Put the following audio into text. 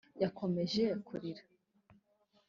yakomeje kurira